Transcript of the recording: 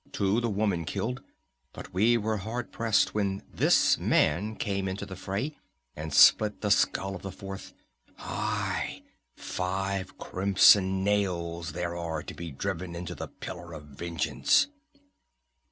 Two the woman killed. But we were hard pressed when this man came into the fray and split the skull of the fourth! Aye! Five crimson nails there are to be driven into the pillar of vengeance!"